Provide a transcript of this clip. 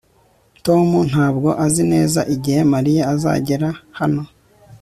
tom ntabwo azi neza igihe mariya azagera hano